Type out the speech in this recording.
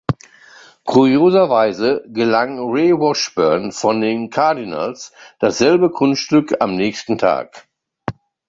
Kurioserweise gelang Ray Washburn von den Cardinals dasselbe Kunststück am nächsten Tag.